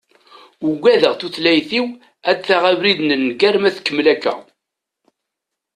Uggadeɣ tutlayt-iw ad taɣ abrid n nnger ma tkemmel akka.